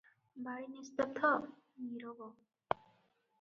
ବାଡ଼ି ନିସ୍ତବ୍ଧ, ନୀରବ ।